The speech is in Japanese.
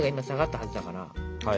はい。